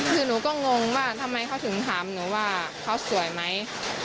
คือหนูก็งงว่าทำไมเขาถึงถามหนูว่าเขาสวยไหม